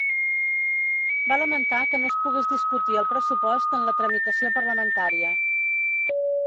Va lamentar que no es pogués discutir el pressupost en la tramitació parlamentària.